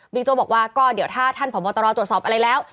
โจ๊กบอกว่าก็เดี๋ยวถ้าท่านผอบตรตรวจสอบอะไรแล้ว